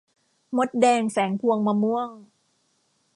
มดแดงแฝงพวงมะม่วง